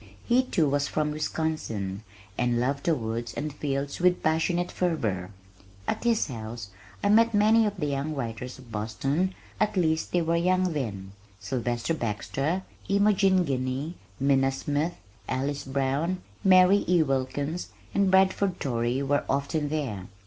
He, too, was from Wisconsin, and loved the woods and fields with passionate fervor. At his house I met many of the young writers of Boston at least they were young then Sylvester Baxter, Imogene Guiney, Minna Smith, Alice Brown, Mary E. Wilkins, and Bradford Torrey were often there.